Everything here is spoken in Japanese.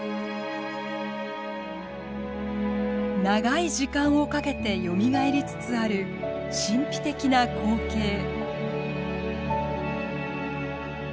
長い時間をかけてよみがえりつつある神秘的な光景。